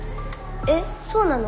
えっそうなの？